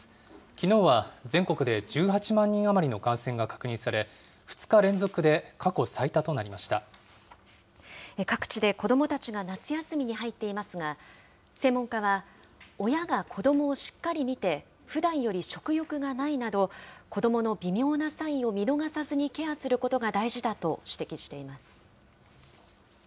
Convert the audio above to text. きのうは全国で１８万人余りの感染が確認され、２日連続で過去最各地で子どもたちが夏休みに入っていますが、専門家は、親が子どもをしっかり見て、ふだんより食欲がないなど、子どもの微妙なサインを見逃さずにケアすることが大事だと指摘しています。